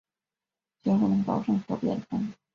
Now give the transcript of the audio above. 决不能搞任何变通